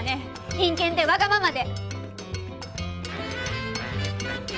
陰険でわがままで！